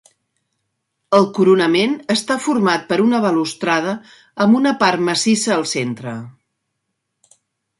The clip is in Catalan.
El coronament està format per una balustrada amb una part massissa al centre.